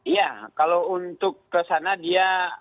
iya kalau untuk ke sana dia